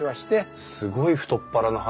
すごい太っ腹の話。